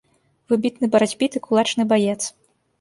Выбітны барацьбіт і кулачны баец.